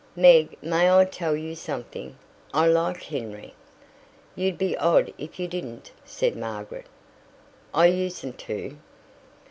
"Meg, may I tell you something? I like Henry." "You'd be odd if you didn't," said Margaret. "I usen't to."